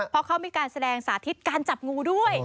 เพราะเขามีการแสดงสาธิตการจับงูด้วย